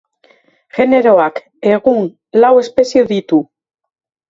Generoak, egun, lau espezie ditu.